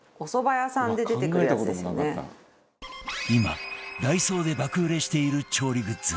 今 ＤＡＩＳＯ で爆売れしている調理グッズ